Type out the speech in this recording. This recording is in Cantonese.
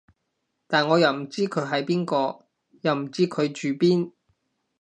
但我又唔知佢係邊個，又唔知佢住邊